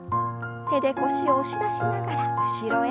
手で腰を押し出しながら後ろへ。